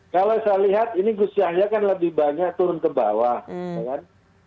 kalau saya lihat ini gus yahya kan lebih banyak turun ke bawah ya kan